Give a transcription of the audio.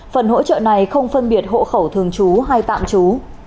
phần hỗ trợ này không phân biệt hộ khẩu thường chú hay tạm chú